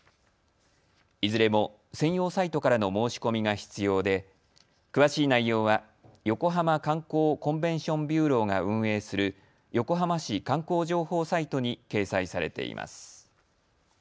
いずれも専用サイトからの申し込みが必要で詳しい内容は横浜観光コンベンション・ビューローが運営する横浜市観光情報サイトに掲載されています。